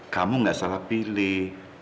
kamu gak salah pilih